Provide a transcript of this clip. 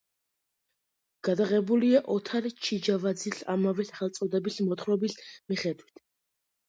გადაღებულია ოთარ ჩიჯავაძის ამავე სახელწოდების მოთხრობის მიხედვით.